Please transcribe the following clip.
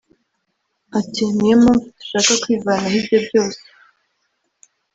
Ati ”Ni yo mpamvu dushaka kwivanaho ibyo byose